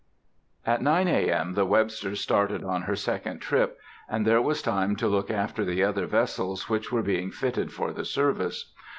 At 9 A. M., the Webster started on her second trip, and there was time to look after the other vessels which were being fitted for the service.